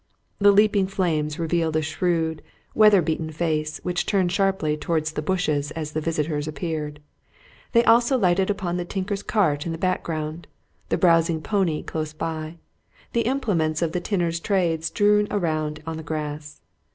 The leaping flames revealed a shrewd, weather beaten face which turned sharply towards the bushes as the visitors appeared; they also lighted up the tinker's cart in the background, the browsing pony close by, the implements of the tinner's trade strewn around on the grass.